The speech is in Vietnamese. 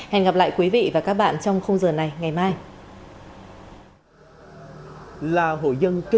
hẹn gặp lại quý vị và các bạn trong khung giờ này ngày mai